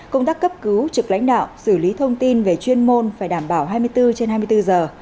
công tác cấp cứu trực lãnh đạo xử lý thông tin về chuyên môn phải đảm bảo hai mươi bốn trên hai mươi bốn giờ